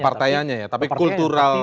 kepartainya ya tapi kultural